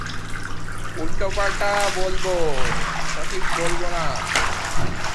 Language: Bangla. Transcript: একটি বিবৃতিতে তারা সরকারকে তাদের অস্ত্র সরিয়ে রেখে যুদ্ধ বিরতিতে রাজি হতে অনুরোধ করে।